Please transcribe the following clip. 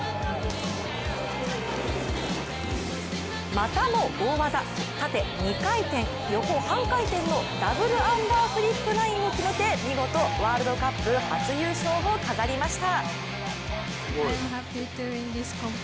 またも大技、縦２回転、横半回転のダブルアンダーフリップナインを決めて、見事ワールドカップ初優勝を飾りました。